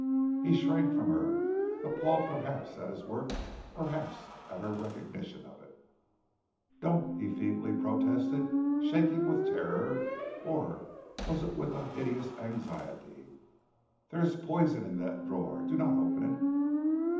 He shrank from her, appalled perhaps at his work; perhaps at her recognition of it. "Don't," he feebly protested, shaking with terror, or was it with a hideous anxiety? "There is poison in that drawer; do not open it."